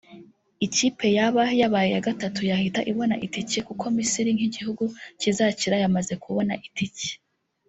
ikipe yaba yabaye iya gatatu yahita ibona itike kuko Misiri nk’igihugu kizakira yamaze kubona itike